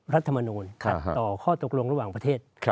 รัฐมนูลขัดต่อข้อตกลงระหว่างประเทศ